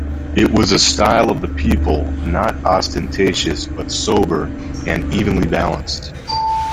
It was a style of the people, not ostentatious but sober and evenly balanced.